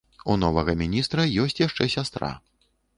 У новага міністра ёсць яшчэ сястра.